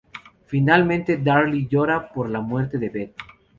Finalmente, Daryl llora por la muerte de Beth.